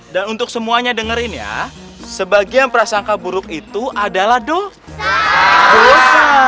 dan untuk semuanya dengerin ya sebagian prasangka buruk itu adalah dosa